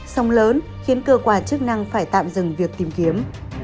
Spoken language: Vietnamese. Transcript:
sông lớn khiến cơ quan chức năng phải tạm dừng việc tìm kiếm